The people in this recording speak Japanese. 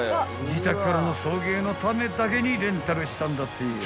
［自宅からの送迎のためだけにレンタルしたんだってよ］